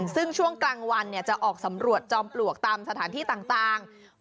ซึ่งช่วงกลางวันจะออกสำรวจจอมปลวกตามสถานที่ต่าง